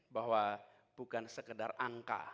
bahwa bukan sekedar angka